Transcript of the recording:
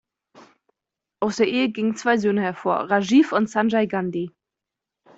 Aus der Ehe gingen zwei Söhne hervor, Rajiv und Sanjay Gandhi.